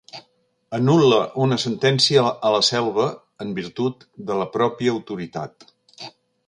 Anul·la una sentència a la Selva en virtut de la pròpia autoritat.